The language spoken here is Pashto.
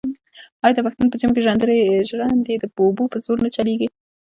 آیا د پښتنو په سیمو کې ژرندې د اوبو په زور نه چلېږي؟